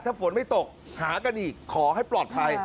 ถ้าฝนไม่ตกหากันอีกขอให้ปลอดภัย